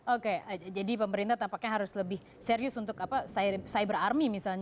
oke jadi pemerintah tampaknya harus lebih serius untuk cyber army misalnya